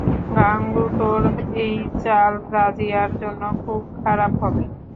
গাঙু তোর এই চাল রাজিয়ার জন্য খুব খারাপ হবে।